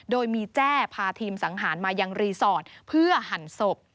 โดยมีแจ้พาทีมสังหารมายังรีสอร์ทเพื่อหั่นศพ